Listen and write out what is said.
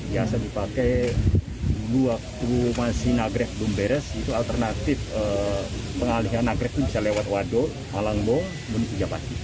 biasa dipakai dulu waktu masih nagrek belum beres itu alternatif pengalihian nagrek itu bisa lewat wado malangbong kemudian tujapati